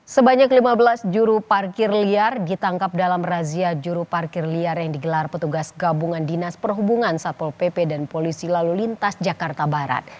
sebanyak lima belas juru parkir liar ditangkap dalam razia juru parkir liar yang digelar petugas gabungan dinas perhubungan satpol pp dan polisi lalu lintas jakarta barat